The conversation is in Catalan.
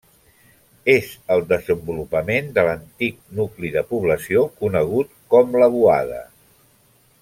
És el desenvolupament de l'antic nucli de població conegut com la Boada.